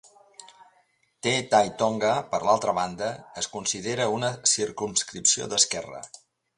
Te Tai Tonga, per altra banda, es considera una circumscripció d'esquerra.